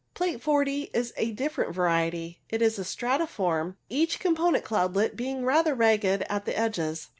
Plate 40 is a different variety. It is stratiform, each component cloudlet being rather ragged at the edges.